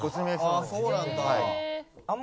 ああそうなんだ。